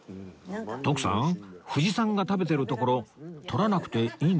徳さん藤さんが食べてるところ撮らなくていいんですか？